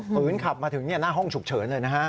ฝืนขับมาถึงหน้าห้องฉุกเฉินเลยนะฮะ